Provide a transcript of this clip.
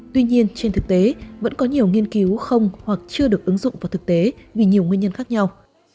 tuy nhiên trên thực tế vẫn có nhiều nghiên cứu không hoặc chưa được ứng dụng vào thực tế vì nhiều nguyên nhân khác nhau